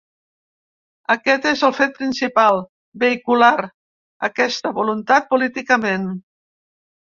Aquest és el fet principal: vehicular aquesta voluntat políticament.